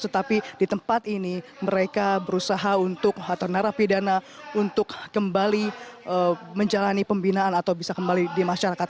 tetapi di tempat ini mereka berusaha untuk narapidana untuk kembali menjalani pembinaan atau bisa kembali di masyarakat